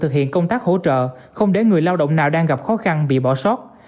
thực hiện công tác hỗ trợ không để người lao động nào đang gặp khó khăn bị bỏ sót